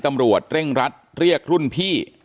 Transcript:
ตำรวจเร่งรัดเรียกรุ่นพี่